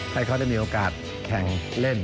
ให้เขาได้มีโอกาสแข่งเล่น